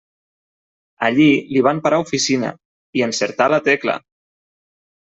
Allí li van parar oficina, i encertà la tecla.